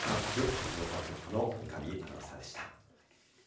静岡局の三上アナウンサーでした。